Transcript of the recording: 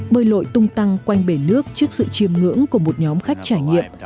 bơi lội tung tăng quanh bể nước trước sự chiêm ngưỡng của một nhóm khách trải nghiệm